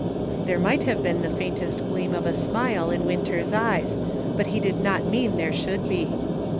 There might have been the faintest gleam of a smile in Winter's eyes, but he did not mean there should be.